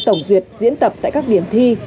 tổng duyệt diễn tập tại các điểm thi